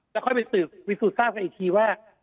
แล้วค่อยไปสืบวิสูจนทราบกันอีกทีว่า